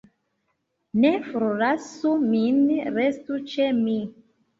Ne forlasu min, restu ĉe mi!